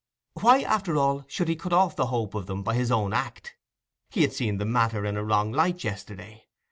Why, after all, should he cut off the hope of them by his own act? He had seen the matter in a wrong light yesterday.